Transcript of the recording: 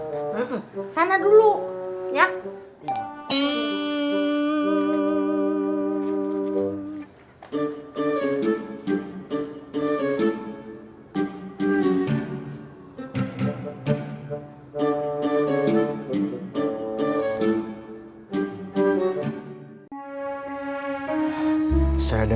ibu saya mau pergi ke rumah yang kamu tawarkan